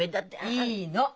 いいの！